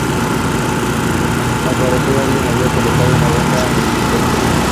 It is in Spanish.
Al parecer, alguien había colocado una bomba en el helicóptero.